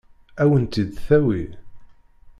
Ad wen-tt-id-tawi?